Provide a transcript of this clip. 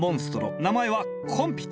名前はコンピティ。